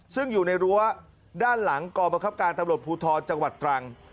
ซึ่งอยู่ในรั้วด้านหลังกรบังคับการตำรวจภูทรจังหวัดตรัง